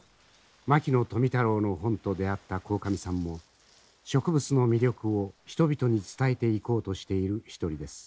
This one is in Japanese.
牧野富太郎の本と出合った鴻上さんも植物の魅力を人々に伝えていこうとしている一人です。